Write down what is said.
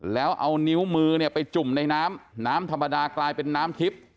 แล้วเอานิ้วมือเนี่ยไปจุ่มในน้ำน้ำธรรมดากลายเป็นน้ำทิพย์